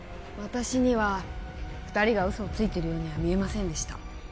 私には二人が嘘をついてるようには見えませんでした